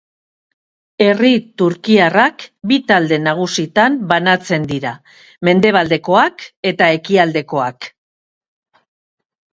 Herri turkiarrak bi talde nagusitan banatzen dira, mendebaldekoak eta ekialdekoak.